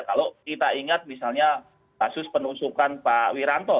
kalau kita ingat misalnya kasus penusukan pak wiranto